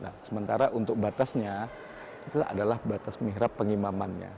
nah sementara untuk batasnya itu adalah batas mihrab pengimamannya